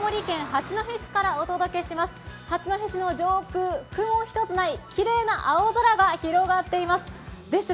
八戸市の上空、雲一つない、きれいな青空が広がっています。